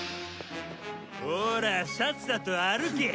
ほらさっさと歩け！